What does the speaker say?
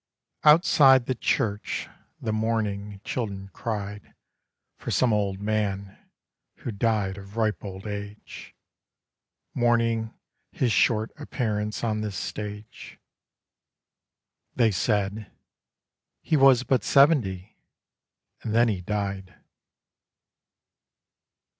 OUTSIDE the church the mourning children cried For some old man who died of ripe old age, Mourning his short appearance on this stage. They said :' He was but seventy, and then he died.'